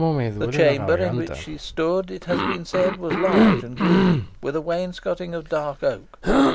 The chamber in which she stood, it has been said, was large and gloomy, with a wainscoting of dark oak.